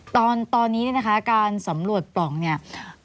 ตอนนี้การสำรวจตั้งแบบนี้